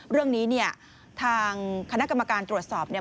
เรื่องนี้เนี่ยทางคณะกรรมการตรวจสอบเนี่ย